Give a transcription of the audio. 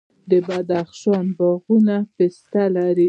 د بدخشان باغونه پستې لري.